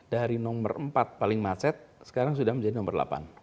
dari nomor empat paling macet sekarang sudah menjadi nomor delapan